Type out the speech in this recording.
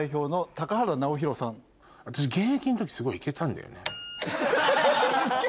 私現役の時すごいいけたんだよね。